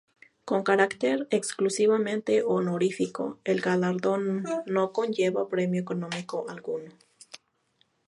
Con carácter exclusivamente honorífico, el galardón no conlleva premio económico alguno.